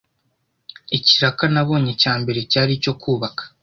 Ikiraka nabonye cya mbere cyari icyo kubaka,